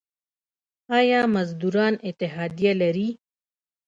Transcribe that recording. آیا مزدوران اتحادیه لري؟